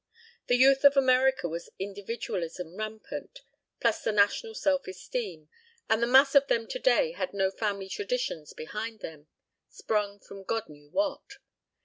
The youth of America was individualism rampant plus the national self esteem, and the mass of them today had no family traditions behind them sprung from God knew what.